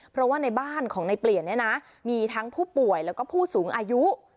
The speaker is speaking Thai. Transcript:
เพราะว่าในบ้านของในเปลี่ยนเนี่ยนะมีทั้งผู้ป่วยแล้วก็ผู้สูงอายุ